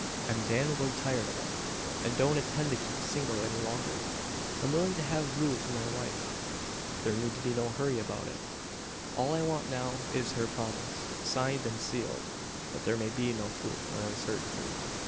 I'm damnably tired of it; and don't intend to keep single any longer. I'm willing to have Loo for my wife. There need be no hurry about it. All I want now is her promise; signed and sealed, that there may be no fluke, or uncertainty.